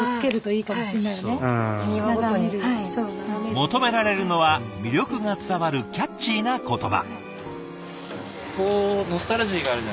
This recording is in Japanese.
求められるのは魅力が伝わるキャッチーな言葉。